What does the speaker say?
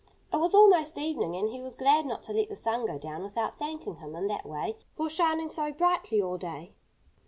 It was almost evening; and he was glad not to let the sun go down without thanking him in that way for shining so brightly all day.